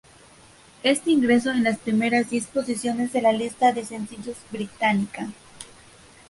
Este ingresó en las primeras diez posiciones de la lista de sencillos británica.